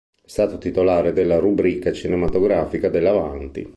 È stato titolare della rubrica cinematografica dell"'Avanti!